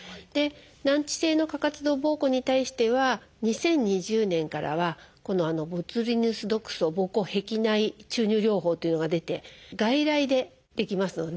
難治性の過活動ぼうこうに対しては２０２０年からは「ボツリヌス毒素ぼうこう壁内注入療法」というのが出て外来でできますので。